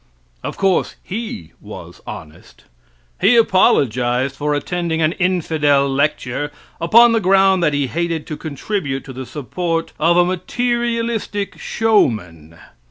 Of course he was honest. He apologized for attending an infidel lecture upon the ground that he hated to contribute to the support of a materialistic showman.